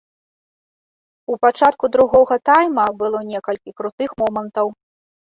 У пачатку другога тайма было некалькі крутых момантаў.